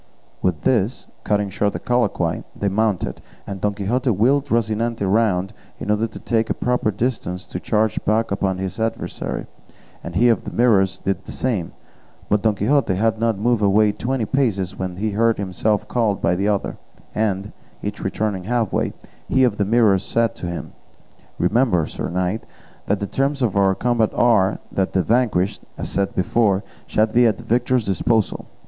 With this, cutting short the colloquy, they mounted, and Don Quixote wheeled Rocinante round in order to take a proper distance to charge back upon his adversary, and he of the Mirrors did the same; but Don Quixote had not moved away twenty paces when he heard himself called by the other, and, each returning half way, he of the Mirrors said to him, "Remember, sir knight, that the terms of our combat are, that the vanquished, as I said before, shall be at the victor's disposal."